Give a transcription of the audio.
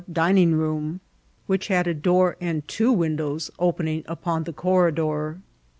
dining room, which had a door and two windows open ing upon the corridor.